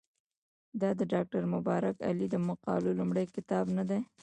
دا د ډاکټر مبارک علي د مقالو لومړی کتاب نه دی.